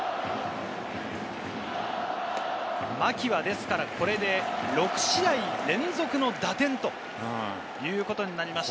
牧は、ですからこれで６試合連続の打点ということになりまして。